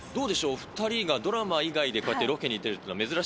２人がドラマ以外でこうやってロケに出るって珍し